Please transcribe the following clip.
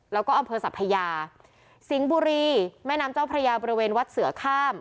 แล้วก็อำเภอสัพพยาสิงห์บุรีแม่น้ำเจ้าพระยาบริเวณวัดเสือข้าม